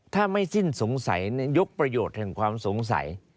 ถ้าไม่สิ้นสงสัยยกประโยชน์แห่งความสงสัย